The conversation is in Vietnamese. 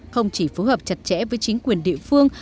không chỉ phù hợp chặt chẽ với chính quyền địa phương